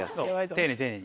丁寧に丁寧に。